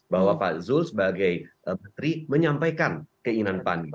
bahwa pak zul sebagai menteri menyampaikan keinginan pan